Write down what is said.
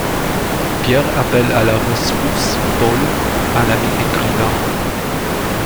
Pierre appelle à la rescousse Paul, un ami écrivain.